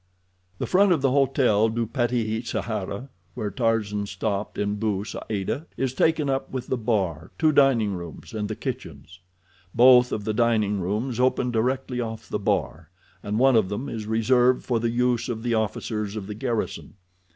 The front of the Hotel du Petit Sahara, where Tarzan stopped in Bou Saada, is taken up with the bar, two dining rooms, and the kitchens. Both of the dining rooms open directly off the bar, and one of them is reserved for the use of the officers of the garrison.